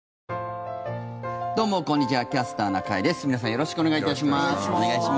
よろしくお願いします。